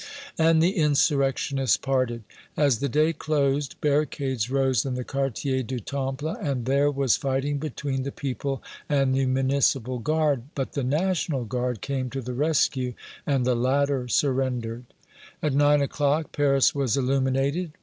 And the insurrectionists parted. As the day closed, barricades rose in the Quartier du Temple, and there was fighting between the people and the Municipal Guard. But the National Guard came to the rescue, and the latter surrendered. At nine o'clock Paris was illuminated.